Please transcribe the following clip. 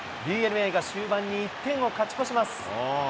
ＤｅＮＡが終盤に１点を勝ち越します。